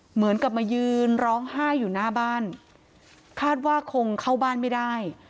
เหมือนกับมายืนร้องไห้อยู่หน้าบ้านคาดว่าคงเข้าบ้านไม่ได้